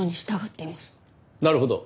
なるほど。